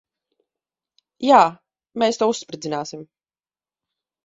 Jā. Mēs to uzspridzināsim.